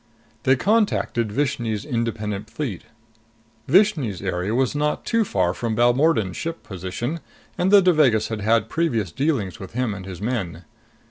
They contacted Vishni's Independent Fleet. Vishni's area was not too far from Balmordan's ship position, and the Devagas had had previous dealings with him and his men.